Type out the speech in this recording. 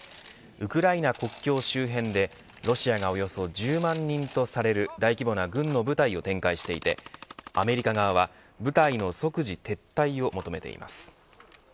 ウクライナ国境周辺でロシアがおよそ１０万人とされる大規模な軍の部隊を展開していてアメリカ側は部隊の即時撤退を求めています。